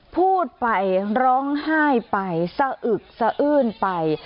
พูดไปร้องไห้ไปสะอึกสะอื้นไป